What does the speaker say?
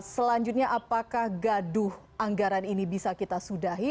selanjutnya apakah gaduh anggaran ini bisa kita sudahi